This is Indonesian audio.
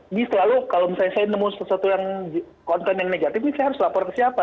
ini selalu kalau misalnya saya nemu sesuatu yang konten yang negatif ini saya harus lapor ke siapa